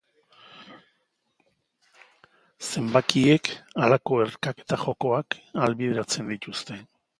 Zenbakiek halako erkaketa jokoak ahalbidetzen dituzte.